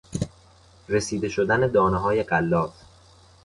رسیده شدن دانههای غلات